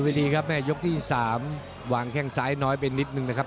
เวลาที่๓วางแค่งซ้ายน้อยไปนิดนึงนะครับ